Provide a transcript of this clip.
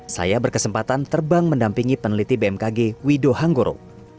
saya berkesempatan terbang mendampingi peneliti bmkg wido hanggoro